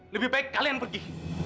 lebih baik kalian pergi